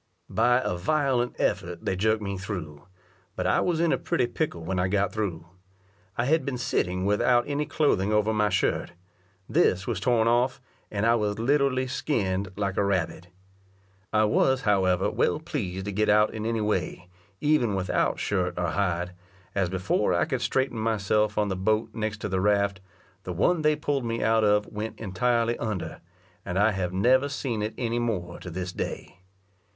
By a violent effort they jerked me through; but I was in a pretty pickle when I got through. I had been sitting without any clothing over my shirt: this was torn off, and I was literally skin'd like a rabbit. I was, however, well pleased to get out in any way, even without shirt or hide; as before I could straighten myself on the boat next to the raft, the one they pull'd me out of went entirely under, and I have never seen it any more to this day.